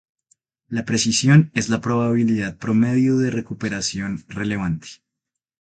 La precisión es la probabilidad promedio de recuperación relevante.